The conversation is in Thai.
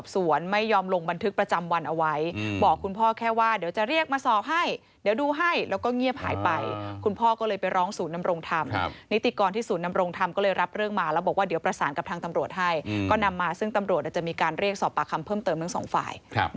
สวนไม่ยอมลงบันทึกประจำวันเอาไว้อืมบอกคุณพ่อแค่ว่าเดี๋ยวจะเรียกมาสอบให้เดี๋ยวดูให้แล้วก็เงียบหายไปอ่าคุณพ่อก็เลยไปร้องสูตรนำรงทำครับนิติกรณ์ที่สูตรนำรงทำก็เลยรับเรื่องมาแล้วบอกว่าเดี๋ยวประสานกับทางตำรวจให้อืมก็นำมาซึ่งตำรวจอาจจะมีการเรียกสอบปากคำ